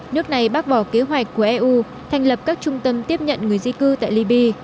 nước này bác bỏ kế hoạch của eu thành lập các trung tâm tiếp nhận người di cư tại liby